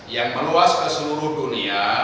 yang meluas ke seluruh dunia